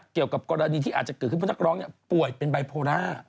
เกี่ยวกับกรณีที่อาจจะเกิดขึ้นเพราะนักร้องป่วยเป็นไบโพล่า